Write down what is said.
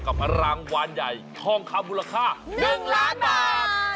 กับรางวัลใหญ่ทองคำมูลค่า๑ล้านบาท